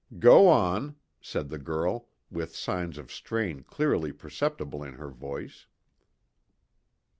"Go on," said the girl, with signs of strain clearly perceptible in her voice.